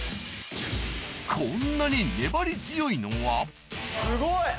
こんなに粘り強いのは・すごい！